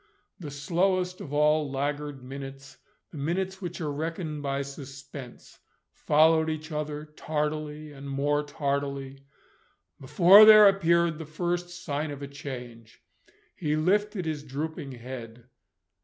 The slowest of all laggard minutes, the minutes which are reckoned by suspense, followed each other tardily and more tardily, before there appeared the first sign of a change. He lifted his drooping head.